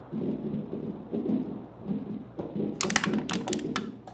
মুক্তির আগে সর্বোচ্চ আয়মুক্তির আগে থেকেই বক্স অফিসে আলোড়ন তৈরি করেছিল সুলতান।